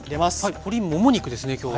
鶏もも肉ですね今日は。